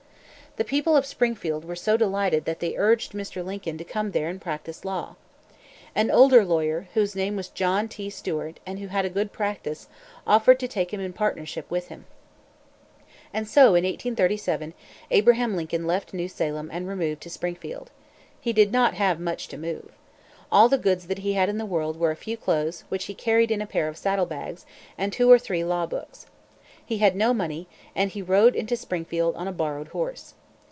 The people of Springfield were so delighted that they urged Mr. Lincoln to come there and practice law. An older lawyer, whose name was John T. Stuart, and who had a good practice, offered to take him in partnership with him. And so, in 1837, Abraham Lincoln left New Salem and removed to Springfield. He did not have much to move. All the goods that he had in the world were a few clothes, which he carried in a pair of saddle bags, and two or three law books. He had no money, and he rode into Springfield on a borrowed horse.